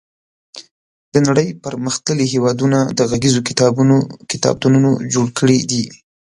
د نړۍ پرمختللي هېوادونو د غږیزو کتابونو کتابتونونه جوړ کړي دي.